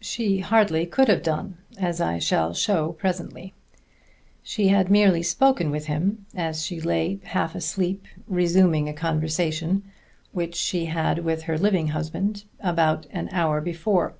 She hardly could have done, as I shall show presently. She had merely spoken with him as she lay half asleep, resuming a conversation which she had had with her living husband about an hour before.